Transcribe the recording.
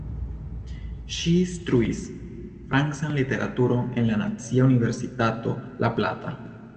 Ŝi instruis francan literaturon en la Nacia Universitato La Plata.